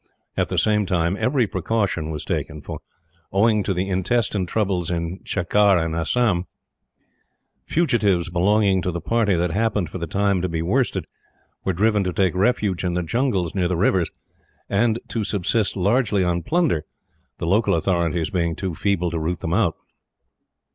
At the same time every precaution was taken, for, owing to the intestine troubles in Cachar and Assam, fugitives belonging to the party that happened, for the time, to be worsted, were driven to take refuge in the jungles near the rivers; and to subsist largely on plunder, the local authorities being too feeble to root them out.